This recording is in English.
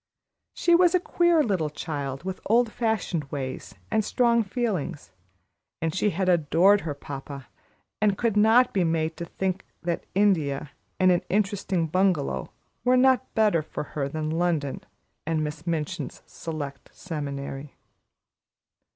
She was a queer little child, with old fashioned ways and strong feelings, and she had adored her papa, and could not be made to think that India and an interesting bungalow were not better for her than London and Miss Minchin's Select Seminary.